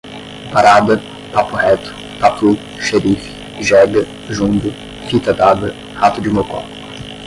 parada, papo reto, tatu, xerife, jega, jumbo, fita dada, rato de mocó